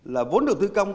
là vốn đầu tư công